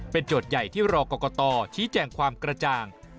เป็นจดใหญ่ที่รอกกตชี้แจ่งความกระจ่าง